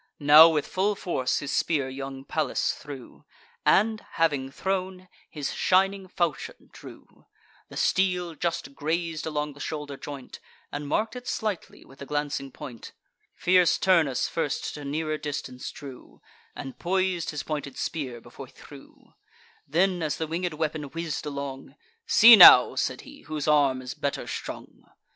Now with full force his spear young Pallas threw, And, having thrown, his shining falchion drew The steel just graz'd along the shoulder joint, And mark'd it slightly with the glancing point, Fierce Turnus first to nearer distance drew, And pois'd his pointed spear, before he threw: Then, as the winged weapon whizz'd along, "See now," said he, "whose arm is better strung."